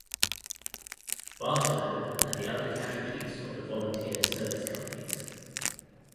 Barttelot and the other casualties of the Volunteer Service Companies.